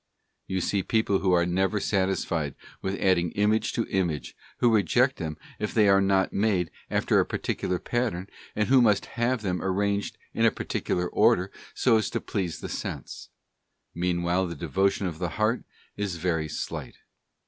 You see people who are never satisfied with adding image to image, who reject them if they are not made after a particular pattern, and who must have them 'arranged in a particular order, so as to please the sense; meanwhile the devotion of the heart is very slight.